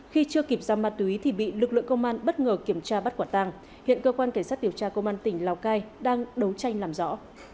khi chưa kịp ra ma túy thì bị lực lượng công an bất ngờ kiểm tra bắt quả tàng hiện cơ quan cảnh sát điều tra công an tỉnh lào cai đang đấu tranh làm rõ